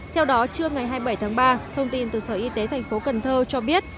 theo đó trưa ngày hai mươi bảy tháng ba thông tin từ sở y tế thành phố cần thơ cho biết